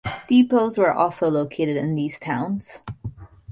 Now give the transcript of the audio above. Depots were also located in these towns.